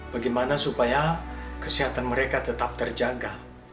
bagaimana supaya kesehatan mereka tetap terjaga